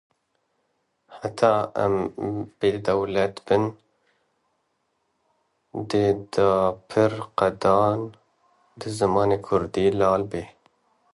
Heta em bêdewlet bin dê di pir qadan de zimanê Kurdi lal be.